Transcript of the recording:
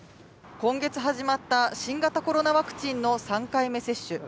今月始まった新型コロナワクチンの３回目接種。